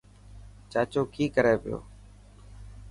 چاچو ڪي ڪري پيو.